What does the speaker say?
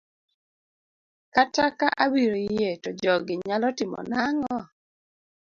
kata ka abiro yie to jogi nyalo timona ang'o?